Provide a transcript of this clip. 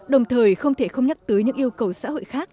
đồng thời không thể không nhắc tới những yêu cầu